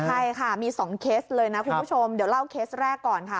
ใช่ค่ะมี๒เคสเลยนะคุณผู้ชมเดี๋ยวเล่าเคสแรกก่อนค่ะ